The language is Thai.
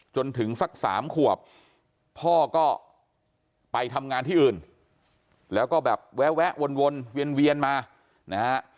จนถึงสักสามขวบพ่อก็ไปทำงานที่อื่นแล้วก็แบบแวะวนเวียนมานะฮะ